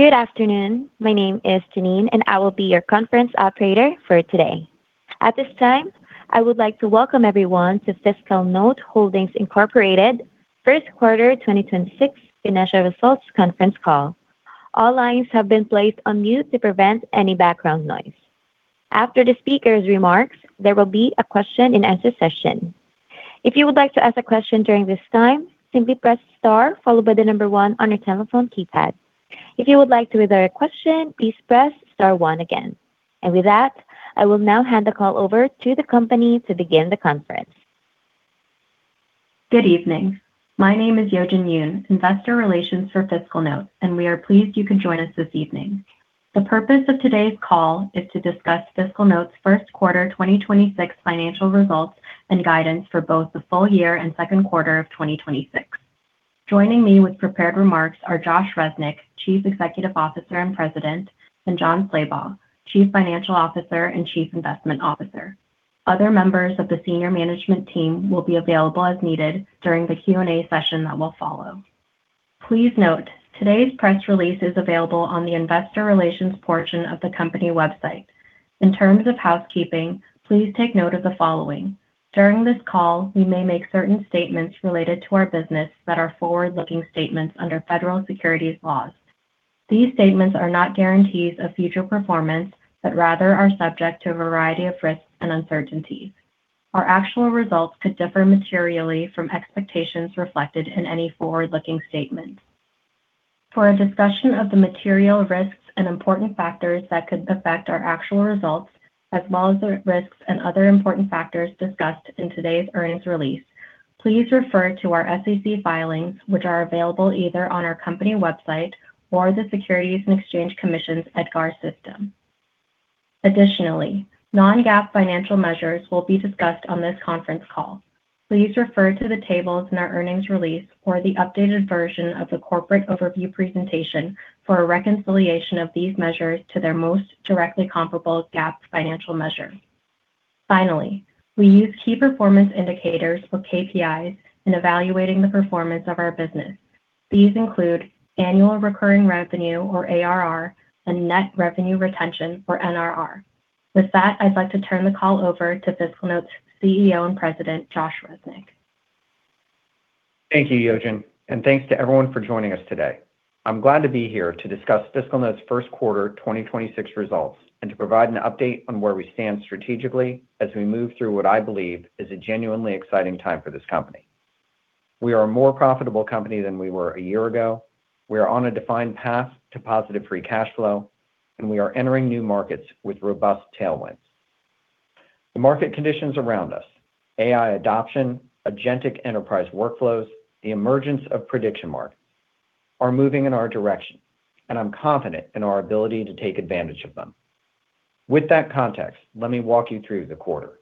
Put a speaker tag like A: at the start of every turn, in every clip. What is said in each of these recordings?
A: Good afternoon. My name is Janine. I will be your conference operator for today. At this time, I would like to welcome everyone to FiscalNote Holdings, Inc. first quarter 2026 financial results conference call. All lines have been placed on mute to prevent any background noise. After the speaker's remarks, there will be a question and answer session. If you would like to ask a question during this time, simply press star followed by the number one on your telephone keypad. If you would like to withdraw a question, please press star one again. With that, I will now hand the call over to the company to begin the conference.
B: Good evening. My name is Yojin Yoon, Investor Relations for FiscalNote, and we are pleased you can join us this evening. The purpose of today's call is to discuss FiscalNote's first quarter 2026 financial results and guidance for both the full-year and second quarter of 2026. Joining me with prepared remarks are Josh Resnik, Chief Executive Officer and President, and Jon Slabaugh, Chief Financial Officer and Chief Investment Officer. Other members of the senior management team will be available as needed during the Q&A session that will follow. Please note, today's press release is available on the Investor Relations portion of the company website. In terms of housekeeping, please take note of the following. During this call, we may make certain statements related to our business that are forward-looking statements under federal securities laws. These statements are not guarantees of future performance, but rather are subject to a variety of risks and uncertainties. Our actual results could differ materially from expectations reflected in any forward-looking statement. For a discussion of the material risks and important factors that could affect our actual results, as well as the risks and other important factors discussed in today's earnings release, please refer to our SEC filings which are available either on our company website or the Securities and Exchange Commission's EDGAR system. Additionally, non-GAAP financial measures will be discussed on this conference call. Please refer to the tables in our earnings release or the updated version of the corporate overview presentation for a reconciliation of these measures to their most directly comparable GAAP financial measure. Finally, we use key performance indicators or KPIs in evaluating the performance of our business. These include annual recurring revenue or ARR and net revenue retention or NRR. With that, I'd like to turn the call over to FiscalNote's CEO and President, Josh Resnik.
C: Thank you, Yojin, and thanks to everyone for joining us today. I'm glad to be here to discuss FiscalNote's first quarter 2026 results and to provide an update on where we stand strategically as we move through what I believe is a genuinely exciting time for this company. We are a more profitable company than we were a year ago. We are on a defined path to positive free cash flow, and we are entering new markets with robust tailwinds. The market conditions around us, AI adoption, agentic enterprise workflows, the emergence of prediction markets, are moving in our direction, and I'm confident in our ability to take advantage of them. With that context, let me walk you through the quarter.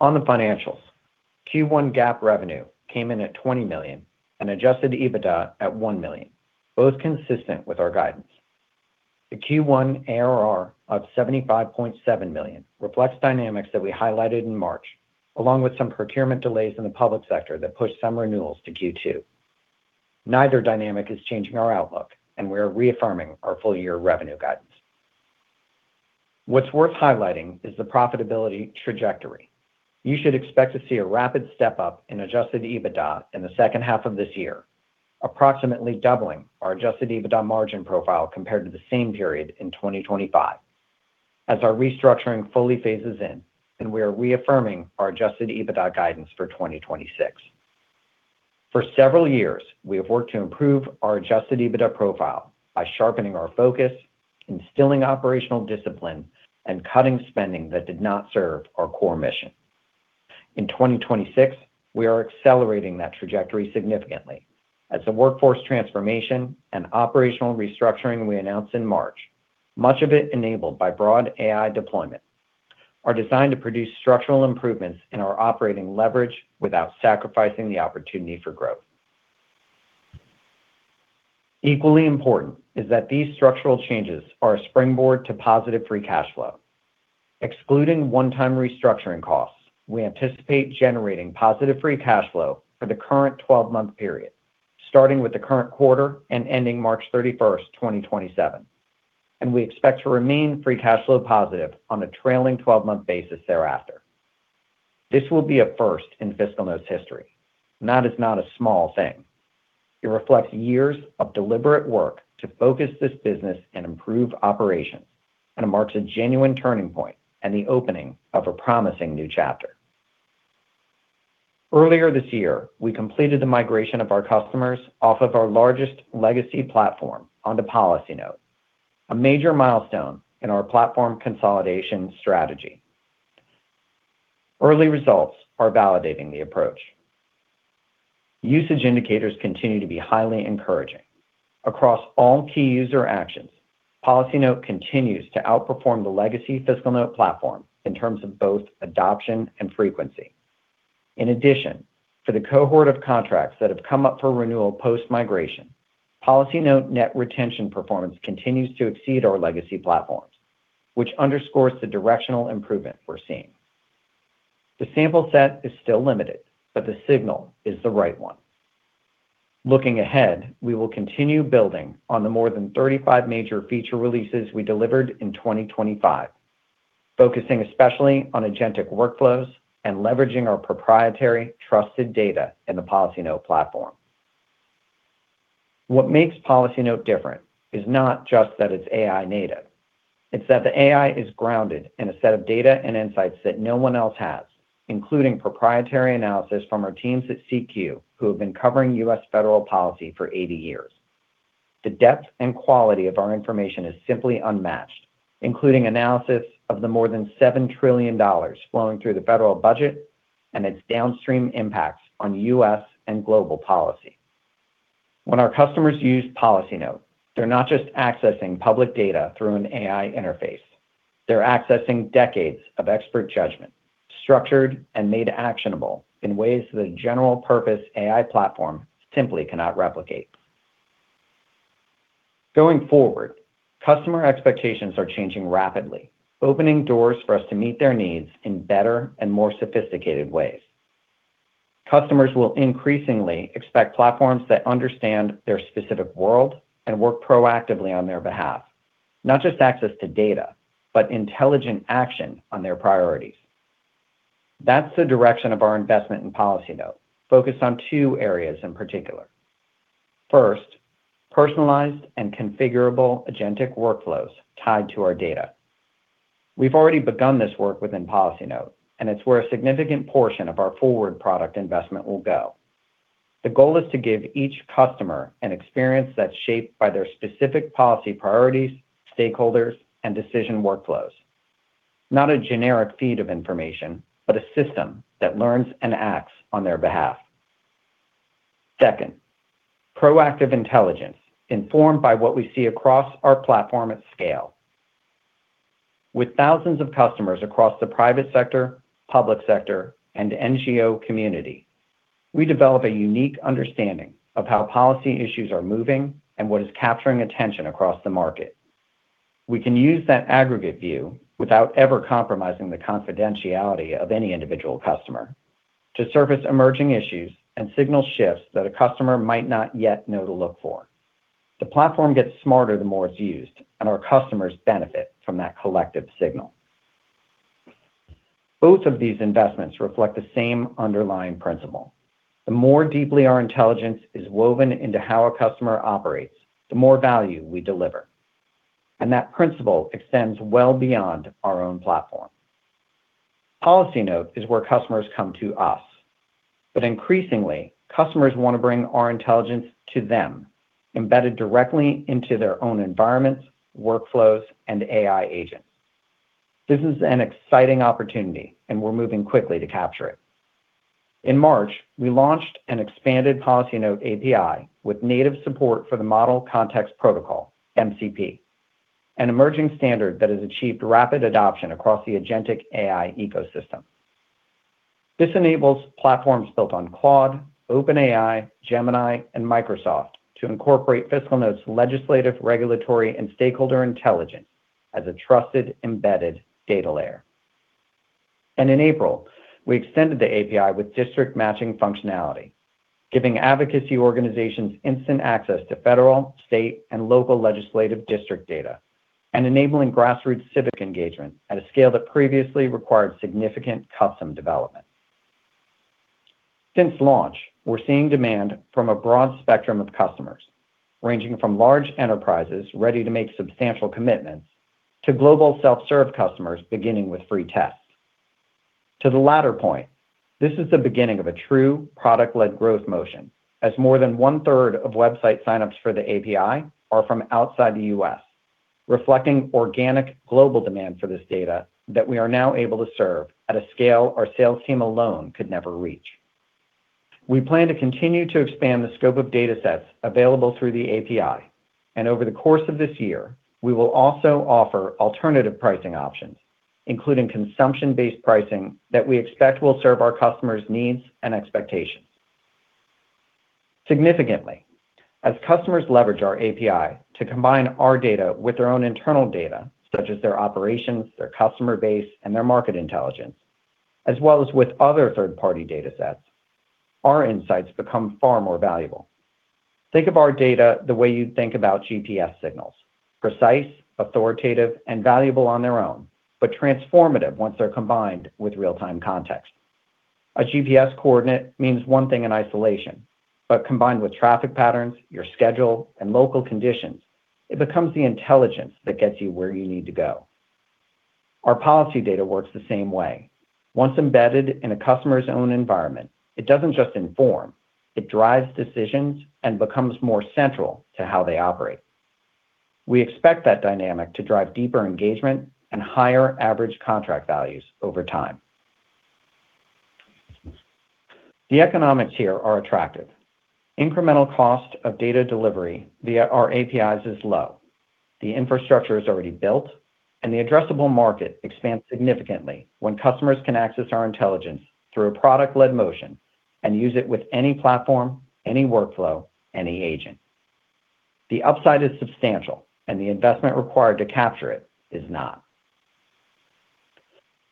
C: On the financials, Q1 GAAP revenue came in at $20 million and adjusted EBITDA at $1 million, both consistent with our guidance. The Q1 ARR of $75.7 million reflects dynamics that we highlighted in March, along with some procurement delays in the public sector that pushed some renewals to Q2. Neither dynamic is changing our outlook, and we are reaffirming our full-year revenue guidance. What's worth highlighting is the profitability trajectory. You should expect to see a rapid step-up in adjusted EBITDA in the second half of this year, approximately doubling our adjusted EBITDA margin profile compared to the same period in 2025 as our restructuring fully phases in, and we are reaffirming our adjusted EBITDA guidance for 2026. For several years, we have worked to improve our adjusted EBITDA profile by sharpening our focus, instilling operational discipline, and cutting spending that did not serve our core mission. In 2026, we are accelerating that trajectory significantly as the workforce transformation and operational restructuring we announced in March, much of it enabled by broad AI deployment, are designed to produce structural improvements in our operating leverage without sacrificing the opportunity for growth. Equally important is that these structural changes are a springboard to positive free cash flow. Excluding one-time restructuring costs, we anticipate generating positive free cash flow for the current 12-month period, starting with the current quarter and ending March 31, 2027, and we expect to remain free cash flow positive on a trailing 12-month basis thereafter. This will be a first in FiscalNote's history, and that is not a small thing. It reflects years of deliberate work to focus this business and improve operations, and it marks a genuine turning point and the opening of a promising new chapter. Earlier this year, we completed the migration of our customers off of our largest legacy platform onto PolicyNote, a major milestone in our platform consolidation strategy. Early results are validating the approach. Usage indicators continue to be highly encouraging. Across all key user actions, PolicyNote continues to outperform the legacy FiscalNote platform in terms of both adoption and frequency. In addition, for the cohort of contracts that have come up for renewal post-migration, PolicyNote net retention performance continues to exceed our legacy platforms, which underscores the directional improvement we're seeing. The sample set is still limited, but the signal is the right one. Looking ahead, we will continue building on the more than 35 major feature releases we delivered in 2025, focusing especially on agentic workflows and leveraging our proprietary trusted data in the PolicyNote platform. What makes PolicyNote different is not just that it's AI native. It's that the AI is grounded in a set of data and insights that no one else has, including proprietary analysis from our teams at CQ who have been covering U.S. federal policy for 80 years. The depth and quality of our information is simply unmatched, including analysis of the more than $7 trillion flowing through the federal budget and its downstream impacts on U.S. and global policy. When our customers use PolicyNote, they're not just accessing public data through an AI interface. They're accessing decades of expert judgment, structured and made actionable in ways that a general-purpose AI platform simply cannot replicate. Going forward, customer expectations are changing rapidly, opening doors for us to meet their needs in better and more sophisticated ways. Customers will increasingly expect platforms that understand their specific world and work proactively on their behalf, not just access to data, but intelligent action on their priorities. That's the direction of our investment in PolicyNote, focused on two areas in particular. First, personalized and configurable agentic workflows tied to our data. We've already begun this work within PolicyNote, and it's where a significant portion of our forward product investment will go. The goal is to give each customer an experience that's shaped by their specific policy priorities, stakeholders, and decision workflows. Not a generic feed of information, but a system that learns and acts on their behalf. Second, proactive intelligence informed by what we see across our platform at scale. With thousands of customers across the private sector, public sector, and NGO community, we develop a unique understanding of how policy issues are moving and what is capturing attention across the market. We can use that aggregate view without ever compromising the confidentiality of any individual customer to surface emerging issues and signal shifts that a customer might not yet know to look for. The platform gets smarter the more it's used, and our customers benefit from that collective signal. Both of these investments reflect the same underlying principle. The more deeply our intelligence is woven into how a customer operates, the more value we deliver. That principle extends well beyond our own platform. PolicyNote is where customers come to us. Increasingly, customers want to bring our intelligence to them, embedded directly into their own environments, workflows, and AI agents. This is an exciting opportunity, and we're moving quickly to capture it. In March, we launched an expanded PolicyNote API with native support for the Model Context Protocol, MCP, an emerging standard that has achieved rapid adoption across the agentic AI ecosystem. This enables platforms built on Claude, OpenAI, Gemini, and Microsoft to incorporate FiscalNote's legislative, regulatory, and stakeholder intelligence as a trusted, embedded data layer. In April, we extended the API with district matching functionality, giving advocacy organizations instant access to federal, state, and local legislative district data and enabling grassroots civic engagement at a scale that previously required significant custom development. Since launch, we're seeing demand from a broad spectrum of customers, ranging from large enterprises ready to make substantial commitments to global self-serve customers beginning with free tests. To the latter point, this is the beginning of a true product-led growth motion, as more than 1/3 of website signups for the API are from outside the U.S., reflecting organic global demand for this data that we are now able to serve at a scale our sales team alone could never reach. Over the course of this year, we will also offer alternative pricing options, including consumption-based pricing that we expect will serve our customers' needs and expectations. Significantly, as customers leverage our API to combine our data with their own internal data, such as their operations, their customer base, and their market intelligence, as well as with other third-party datasets, our insights become far more valuable. Think of our data the way you'd think about GPS signals. Precise, authoritative, and valuable on their own, but transformative once they're combined with real-time context. A GPS coordinate means one thing in isolation, but combined with traffic patterns, your schedule, and local conditions, it becomes the intelligence that gets you where you need to go. Our policy data works the same way. Once embedded in a customer's own environment, it doesn't just inform, it drives decisions and becomes more central to how they operate. We expect that dynamic to drive deeper engagement and higher average contract values over time. The economics here are attractive. Incremental cost of data delivery via our APIs is low. The infrastructure is already built, the addressable market expands significantly when customers can access our intelligence through a product-led motion and use it with any platform, any workflow, any agent. The upside is substantial, the investment required to capture it is not.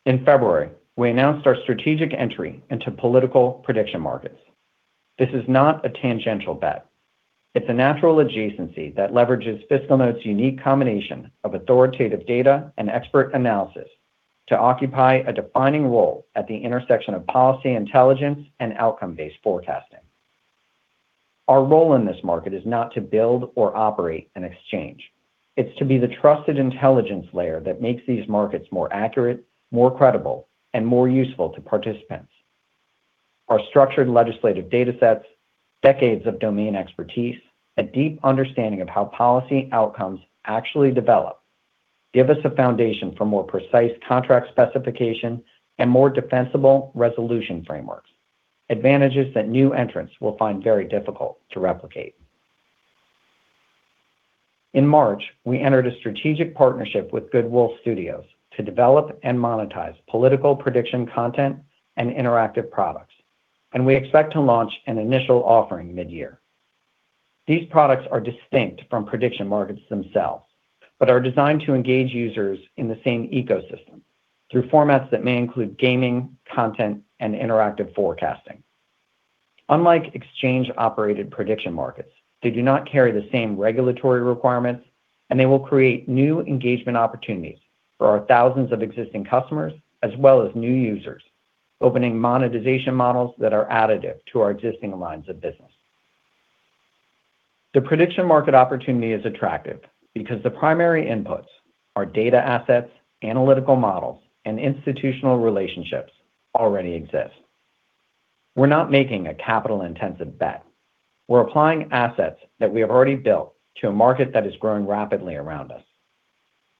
C: In February, we announced our strategic entry into political prediction markets. This is not a tangential bet. It's a natural adjacency that leverages FiscalNote's unique combination of authoritative data and expert analysis to occupy a defining role at the intersection of policy intelligence and outcome-based forecasting. Our role in this market is not to build or operate an exchange. It's to be the trusted intelligence layer that makes these markets more accurate, more credible, and more useful to participants. Our structured legislative datasets, decades of domain expertise, a deep understanding of how policy outcomes actually develop give us a foundation for more precise contract specification and more defensible resolution frameworks, advantages that new entrants will find very difficult to replicate. In March, we entered a strategic partnership with Good Wolf Studios to develop and monetize political prediction content and interactive products, and we expect to launch an initial offering mid-year. These products are distinct from prediction markets themselves, but are designed to engage users in the same ecosystem through formats that may include gaming, content, and interactive forecasting. Unlike exchange-operated prediction markets, they do not carry the same regulatory requirements, and they will create new engagement opportunities for our thousands of existing customers as well as new users, opening monetization models that are additive to our existing lines of business. The prediction market opportunity is attractive because the primary inputs, our data assets, analytical models, and institutional relationships already exist. We're not making a capital-intensive bet. We're applying assets that we have already built to a market that is growing rapidly around us.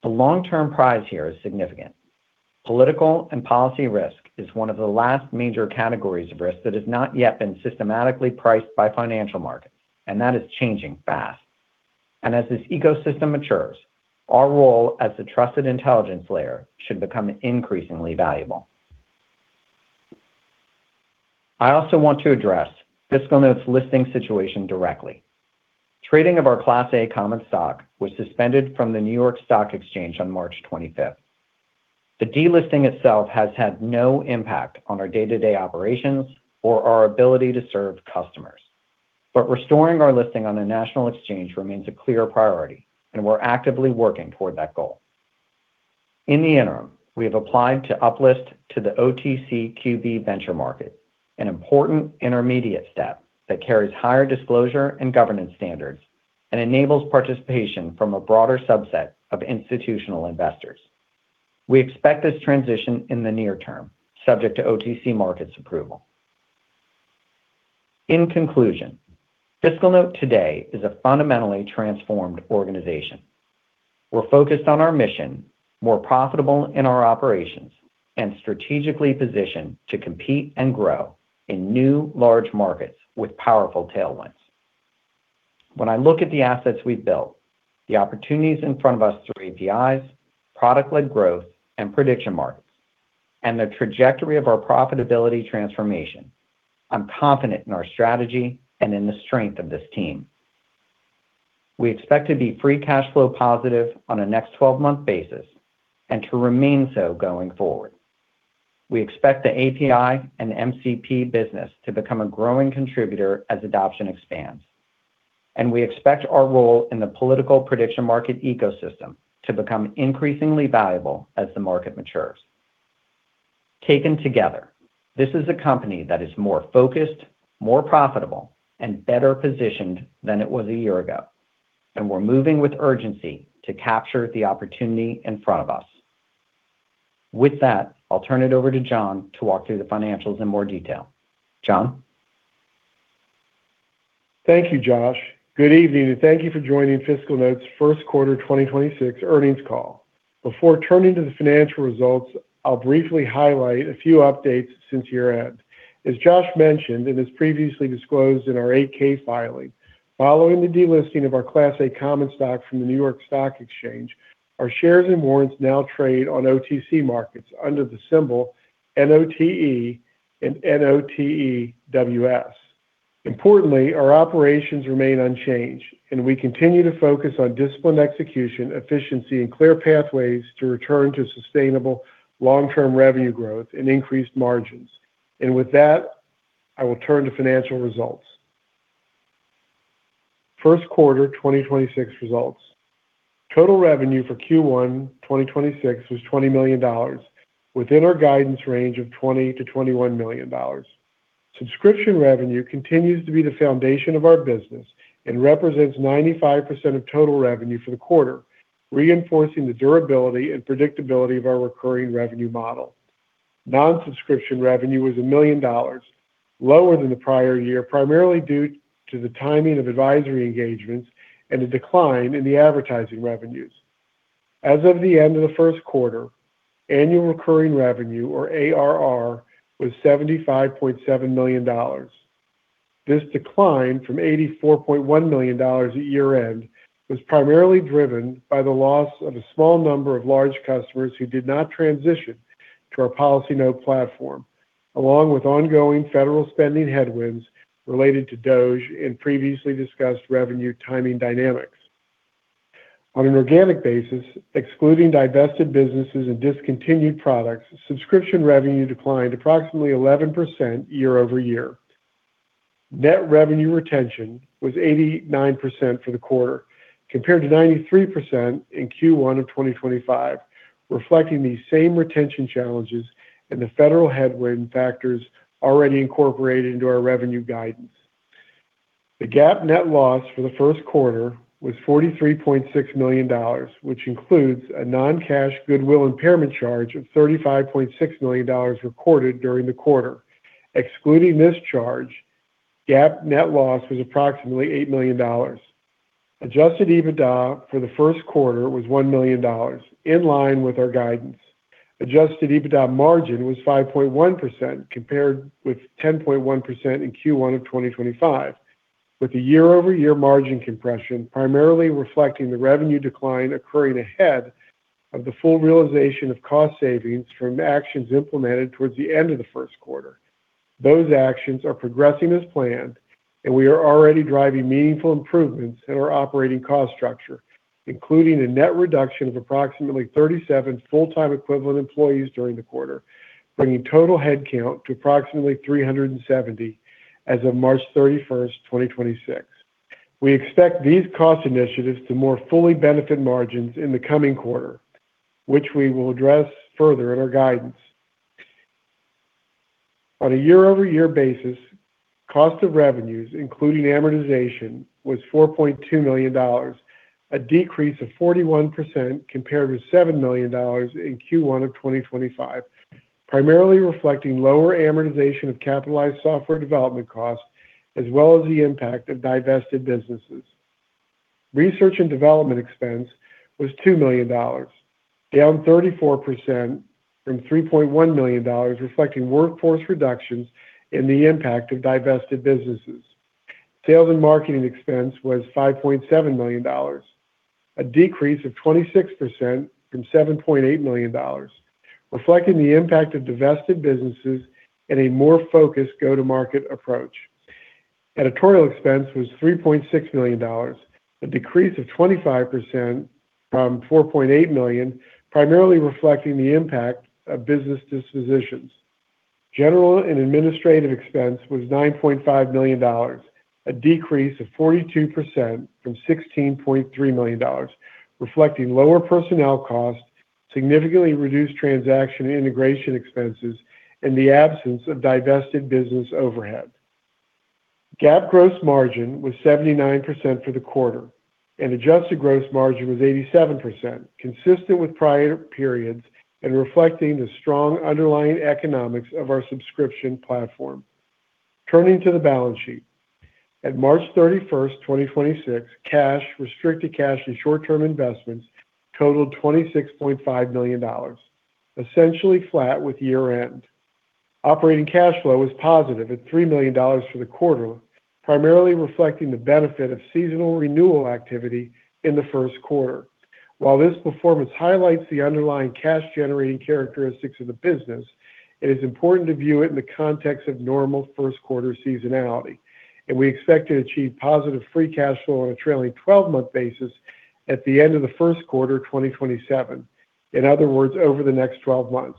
C: The long-term prize here is significant. Political and policy risk is one of the last major categories of risk that has not yet been systematically priced by financial markets, and that is changing fast. As this ecosystem matures, our role as the trusted intelligence layer should become increasingly valuable. I also want to address FiscalNote's listing situation directly. Trading of our Class A common stock was suspended from the New York Stock Exchange on March 25th. The delisting itself has had no impact on our day-to-day operations or our ability to serve customers. Restoring our listing on a national exchange remains a clear priority, and we're actively working toward that goal. In the interim, we have applied to uplist to the OTCQB venture market, an important intermediate step that carries higher disclosure and governance standards and enables participation from a broader subset of institutional investors. We expect this transition in the near term, subject to OTC Markets approval. In conclusion, FiscalNote today is a fundamentally transformed organization. We're focused on our mission, more profitable in our operations, and strategically positioned to compete and grow in new large markets with powerful tailwinds. When I look at the assets we've built, the opportunities in front of us through APIs, product-led growth, and prediction markets, and the trajectory of our profitability transformation, I'm confident in our strategy and in the strength of this team. We expect to be free cash flow positive on a next twelve-month basis and to remain so going forward. We expect the API and MCP business to become a growing contributor as adoption expands, and we expect our role in the political prediction market ecosystem to become increasingly valuable as the market matures. Taken together, this is a company that is more focused, more profitable, and better positioned than it was a year ago, and we're moving with urgency to capture the opportunity in front of us. With that, I'll turn it over to Jon to walk through the financials in more detail. Jon?
D: Thank you, Josh. Good evening, and thank you for joining FiscalNote's first quarter 2026 earnings call. Before turning to the financial results, I'll briefly highlight a few updates since year-end. As Josh mentioned, and as previously disclosed in our 8-K filing, following the delisting of our Class A common stock from the New York Stock Exchange, our shares and warrants now trade on OTC Markets under the symbol NOTE and NOTEWS. Importantly, our operations remain unchanged, and we continue to focus on disciplined execution, efficiency, and clear pathways to return to sustainable long-term revenue growth and increased margins. With that, I will turn to financial results. First quarter 2026 results. Total revenue for Q1 2026 was $20 million within our guidance range of $20 million-$21 million. Subscription revenue continues to be the foundation of our business and represents 95% of total revenue for the quarter, reinforcing the durability and predictability of our recurring revenue model. Non-subscription revenue was $1 million, lower than the prior year, primarily due to the timing of advisory engagements and a decline in the advertising revenues. As of the end of the first quarter, annual recurring revenue or ARR was $75.7 million. This decline from $84.1 million at year-end was primarily driven by the loss of a small number of large customers who did not transition to our PolicyNote platform, along with ongoing federal spending headwinds related to DOGE and previously discussed revenue timing dynamics. On an organic basis, excluding divested businesses and discontinued products, subscription revenue declined approximately 11% year-over-year. Net revenue retention was 89% for the quarter, compared to 93% in Q1 of 2025, reflecting these same retention challenges and the federal headwind factors already incorporated into our revenue guidance. The GAAP net loss for the first quarter was $43.6 million, which includes a non-cash goodwill impairment charge of $35.6 million recorded during the quarter. Excluding this charge, GAAP net loss was approximately $8 million. Adjusted EBITDA for the first quarter was $1 million, in line with our guidance. Adjusted EBITDA margin was 5.1% compared with 10.1% in Q1 of 2025, with a year-over-year margin compression primarily reflecting the revenue decline occurring ahead of the full realization of cost savings from actions implemented towards the end of the first quarter. Those actions are progressing as planned, and we are already driving meaningful improvements in our operating cost structure, including a net reduction of approximately 37 full-time equivalent employees during the quarter, bringing total headcount to approximately 370 as of March 31, 2026. We expect these cost initiatives to more fully benefit margins in the coming quarter, which we will address further in our guidance. On a year-over-year basis, cost of revenues, including amortization, was $4.2 million, a decrease of 41% compared with $7 million in Q1 2025, primarily reflecting lower amortization of capitalized software development costs as well as the impact of divested businesses. Research and development expense was $2 million, down 34% from $3.1 million, reflecting workforce reductions in the impact of divested businesses. Sales and marketing expense was $5.7 million, a decrease of 26% from $7.8 million, reflecting the impact of divested businesses and a more focused go-to-market approach. Editorial expense was $3.6 million, a decrease of 25% from $4.8 million, primarily reflecting the impact of business dispositions. General and administrative expense was $9.5 million, a decrease of 42% from $16.3 million, reflecting lower personnel costs, significantly reduced transaction integration expenses, and the absence of divested business overhead. GAAP gross margin was 79% for the quarter, and adjusted gross margin was 87%, consistent with prior periods and reflecting the strong underlying economics of our subscription platform. Turning to the balance sheet. At March 31, 2026, cash, restricted cash and short-term investments totaled $26.5 million, essentially flat with year-end. Operating cash flow was positive at $3 million for the quarter, primarily reflecting the benefit of seasonal renewal activity in the first quarter. While this performance highlights the underlying cash-generating characteristics of the business, it is important to view it in the context of normal first quarter seasonality, and we expect to achieve positive free cash flow on a trailing 12-month basis at the end of the first quarter 2027. In other words, over the next 12 months.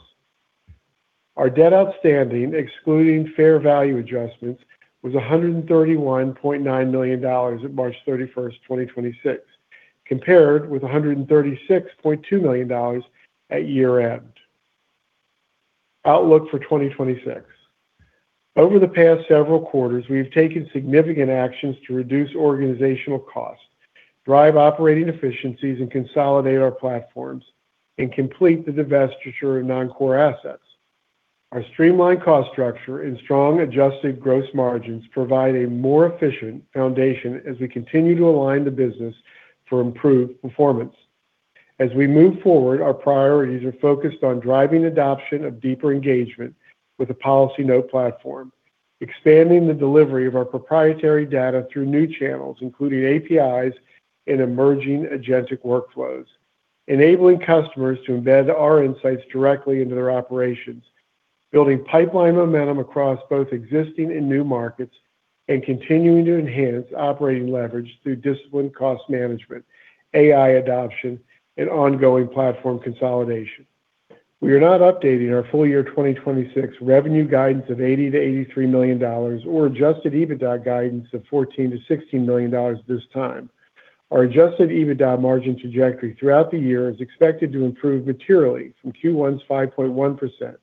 D: Our debt outstanding, excluding fair value adjustments, was $131.9 million at March 31, 2026, compared with $136.2 million at year-end. Outlook for 2026. Over the past several quarters, we have taken significant actions to reduce organizational costs, drive operating efficiencies, consolidate our platforms, and complete the divestiture of non-core assets. Our streamlined cost structure and strong adjusted gross margins provide a more efficient foundation as we continue to align the business for improved performance. As we move forward, our priorities are focused on driving adoption of deeper engagement with the PolicyNote platform, expanding the delivery of our proprietary data through new channels, including APIs and emerging agentic workflows, enabling customers to embed our insights directly into their operations, building pipeline momentum across both existing and new markets, and continuing to enhance operating leverage through disciplined cost management, AI adoption, and ongoing platform consolidation. We are not updating our full-year 2026 revenue guidance of $80 million-$83 million or adjusted EBITDA guidance of $14 million-$16 million this time. Our adjusted EBITDA margin trajectory throughout the year is expected to improve materially from Q1's 5.1%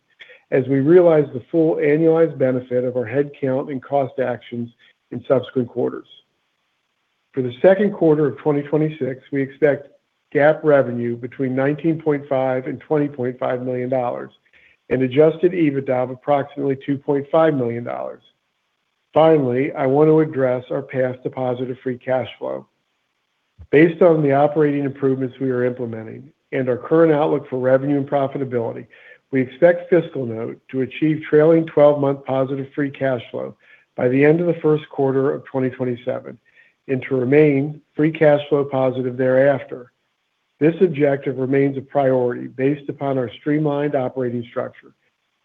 D: as we realize the full annualized benefit of our head count and cost actions in subsequent quarters. For the second quarter of 2026, we expect GAAP revenue between $19.5 million and $20.5 million and adjusted EBITDA of approximately $2.5 million. Finally, I want to address our path to positive free cash flow. Based on the operating improvements we are implementing and our current outlook for revenue and profitability, we expect FiscalNote to achieve trailing twelve-month positive free cash flow by the end of the first quarter of 2027 and to remain free cash flow positive thereafter. This objective remains a priority based upon our streamlined operating structure,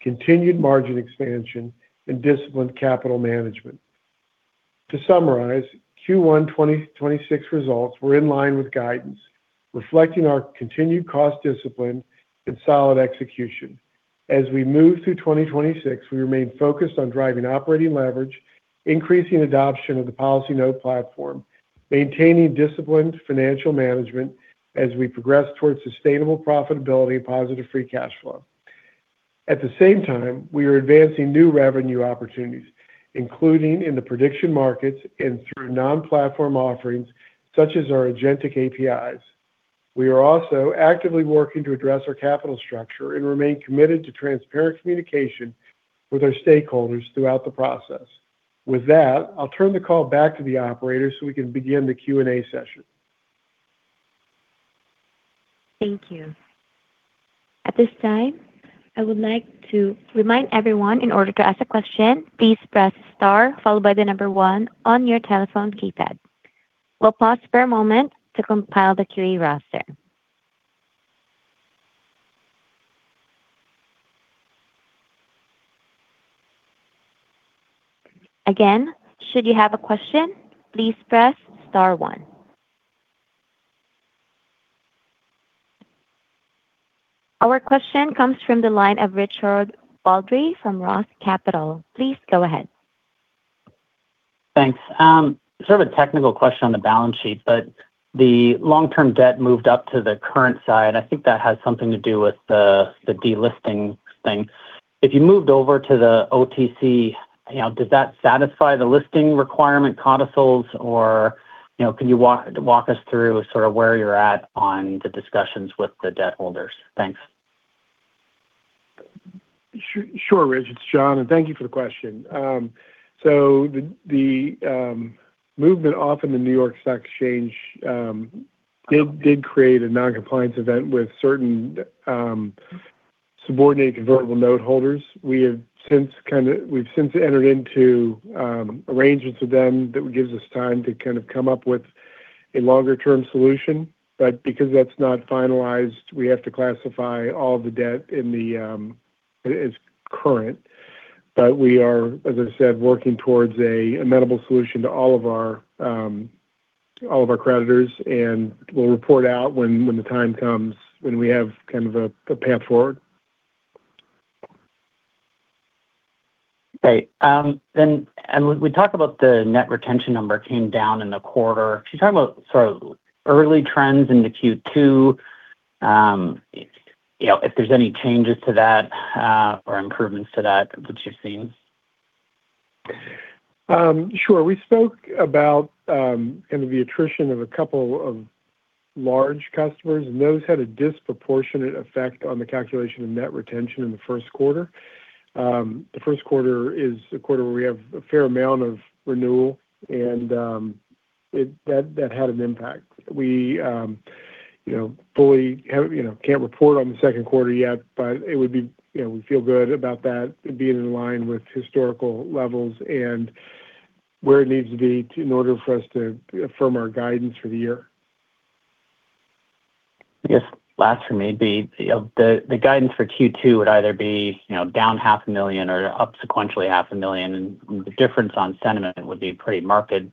D: continued margin expansion, and disciplined capital management. To summarize, Q1 2026 results were in line with guidance, reflecting our continued cost discipline and solid execution. As we move through 2026, we remain focused on driving operating leverage, increasing adoption of the PolicyNote platform, maintaining disciplined financial management as we progress towards sustainable profitability and positive free cash flow. At the same time, we are advancing new revenue opportunities, including in the prediction markets and through non-platform offerings such as our agentic APIs. We are also actively working to address our capital structure and remain committed to transparent communication with our stakeholders throughout the process. With that, I'll turn the call back to the operator, so we can begin the Q&A session.
A: Thank you. At this time, I would like to remind everyone in order to ask a question, please press star followed by the number one on your telephone keypad. We'll pause for a moment to compile the queue roster. Again, should you have a question, please press star one. Our question comes from the line of Richard Baldry from ROTH Capital. Please go ahead.
E: Thanks. Sort of a technical question on the balance sheet, but the long-term debt moved up to the current side. I think that has something to do with the delisting thing. If you moved over to the OTC, you know, does that satisfy the listing requirement codicils or, you know, can you walk us through sort of where you're at on the discussions with the debt holders? Thanks.
D: Sure, Rich. It's Jon, and thank you for the question. The movement off in the New York Stock Exchange did create a non-compliance event with certain subordinated convertible note holders. We've since entered into arrangements with them that gives us time to kind of come up with a longer-term solution. Because that's not finalized, we have to classify all the debt in the as current. We are, as I said, working towards a amenable solution to all of our creditors, and we'll report out when the time comes, when we have kind of a path forward.
E: Great. We talked about the net retention number came down in the quarter. Could you talk about sort of early trends into Q2, you know, if there's any changes to that or improvements to that you've seen?
D: Sure. We spoke about kinda the attrition of a couple of large customers, and those had a disproportionate effect on the calculation of net retention in the first quarter. The first quarter is a quarter where we have a fair amount of renewal, and that had an impact. We, you know, fully have, you know, can't report on the second quarter yet, but it would be, you know, we feel good about that being in line with historical levels and where it needs to be in order for us to affirm our guidance for the year.
E: I guess last for me would be, you know, the guidance for Q2 would either be, you know, down half a million or up sequentially half a million. The difference on sentiment would be pretty marked. Can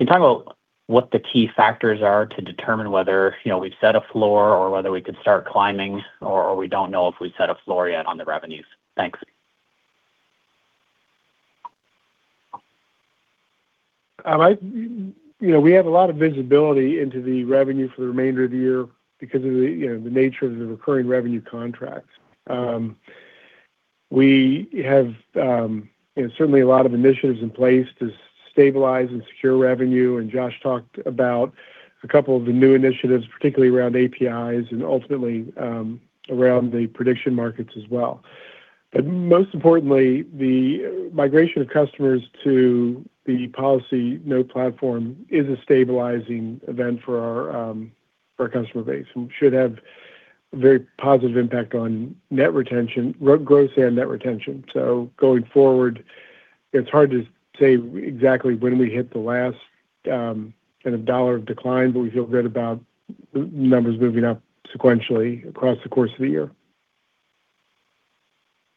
E: you talk about what the key factors are to determine whether, you know, we've set a floor or whether we could start climbing or we don't know if we've set a floor yet on the revenues? Thanks.
D: I You know, we have a lot of visibility into the revenue for the remainder of the year because of the, you know, the nature of the recurring revenue contracts. We have, you know, certainly a lot of initiatives in place to stabilize and secure revenue. Josh talked about a couple of the new initiatives, particularly around APIs and ultimately, around the prediction markets as well. Most importantly, the migration of customers to the PolicyNote platform is a stabilizing event for our, for our customer base and should have a very positive impact on net retention, both gross and net retention. Going forward, it's hard to say exactly when we hit the last, kind of dollar decline, but we feel good about numbers moving up sequentially across the course of the year.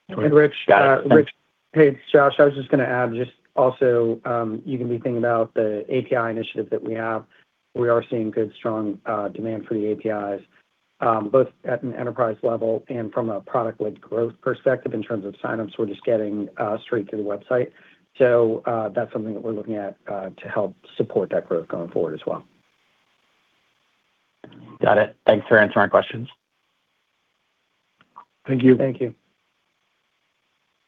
E: Got it. Thanks.
C: Rich, hey, it's Josh. I was just gonna add just also, you can be thinking about the API initiative that we have. We are seeing good, strong demand for the APIs, both at an enterprise level and from a product-led growth perspective in terms of signups we're just getting straight to the website. That's something that we're looking at to help support that growth going forward as well.
E: Got it. Thanks for answering our questions.
D: Thank you.
C: Thank you.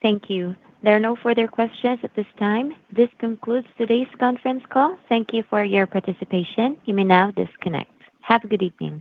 A: Thank you. There are no further questions at this time. This concludes today's conference call. Thank you for your participation. You may now disconnect. Have a good evening.